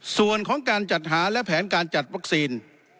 ส่วนของการจัดหาและแผนการจัดวัคซีน